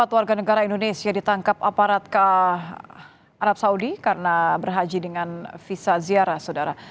empat warga negara indonesia ditangkap aparat arab saudi karena berhaji dengan visa ziarah saudara